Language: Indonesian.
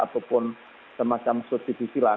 ataupun semacam subdivisi lah